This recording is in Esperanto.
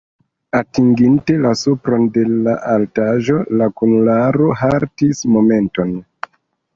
Atinginte la supron de la altaĵo, la kunularo haltis momenton.